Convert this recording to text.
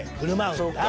そうか。